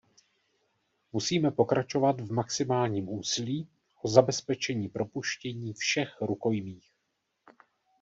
Musíme pokračovat v maximálním úsilí o zabezpečení propuštění všech rukojmích.